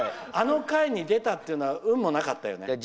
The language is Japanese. あの回に出たというのは運もなかったよね。